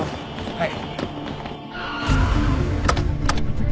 はい。